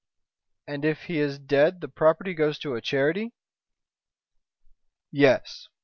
"And if he is dead the property goes to a charity." "Yes!